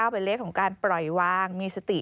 เป็นเลขของการปล่อยวางมีสติ